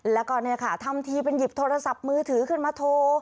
แล้วก็เนี่ยค่ะทำทีเป็นหยิบโทรศัพท์มือถือขึ้นมาโทร